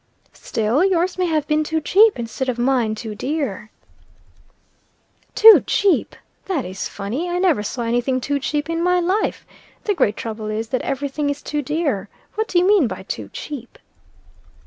"Still, yours may have been too cheap, instead of mine too dear." "Too cheap! That is funny! I never saw any thing too cheap in my life. The great trouble is, that every thing is too dear. What do you mean by too cheap?"